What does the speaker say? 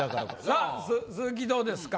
さあ鈴木どうですか？